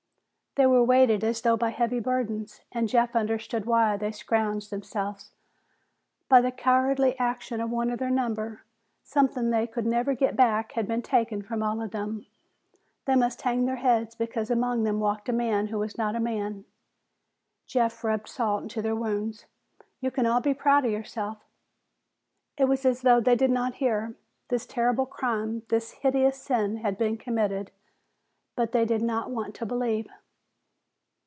They were weighted as though by heavy burdens, and Jeff understood why they scourged themselves. By the cowardly action of one of their number, something they could never get back had been taken from all of them. They must hang their heads because among them walked a man who was not a man. Jeff rubbed salt into their wounds. "You can all be proud of yourselves." It was as though they did not hear. This terrible crime, this heinous sin, had been committed, but they did not want to believe.